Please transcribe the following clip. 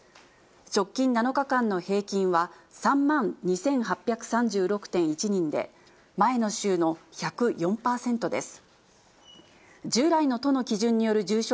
直近７日間の平均は、３万２８３６．１人で、前の週の１０４％です。